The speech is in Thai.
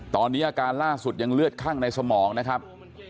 ตอนนี้อาการล่าสุดยังเลือดคั่งในสมองนะครับ